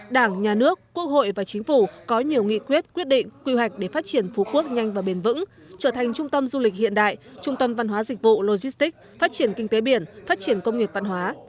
đảng nhà nước quốc hội và chính phủ có nhiều nghị quyết quyết định quy hoạch để phát triển phú quốc nhanh và bền vững trở thành trung tâm du lịch hiện đại trung tâm văn hóa dịch vụ logistic phát triển kinh tế biển phát triển công nghiệp văn hóa